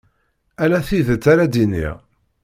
Ala tidet ara d-iniɣ.